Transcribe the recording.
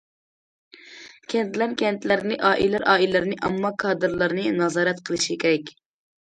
كەنتلەر كەنتلەرنى، ئائىلىلەر ئائىلىلەرنى، ئامما كادىرلارنى نازارەت قىلىشى كېرەك.